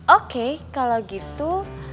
oke kalau gitu